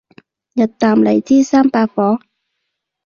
日啖荔枝三百顆